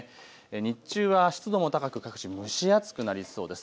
日中は湿度も高く各地蒸し暑くなりそうです。